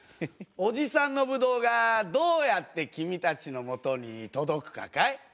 おじさんのぶどうがどうやって君たちのもとに届くかかい？